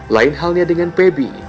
lain halnya dengan pebi